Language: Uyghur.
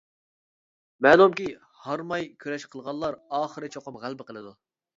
مەلۇمكى، ھارماي كۈرەش قىلغانلار ئاخىرى چوقۇم غەلىبە قىلىدۇ.